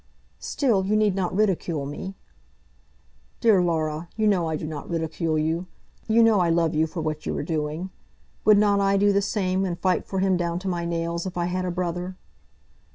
"Still you need not ridicule me." "Dear Laura, you know I do not ridicule you. You know I love you for what you are doing. Would not I do the same, and fight for him down to my nails if I had a brother?"